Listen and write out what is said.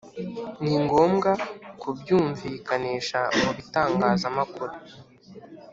Ni ngombwa kubyumvikanisha mu bitangazamakuru